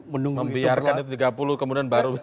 membiarkan itu tiga puluh kemudian baru